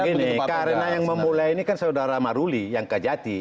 begini karena yang memulai ini kan saudara maruli yang kejati